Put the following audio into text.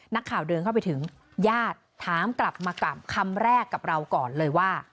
นักข่าวเดินเข้าไปถึงญาติถามกลับมากลับคำแรกกับเราก่อนเลยว่า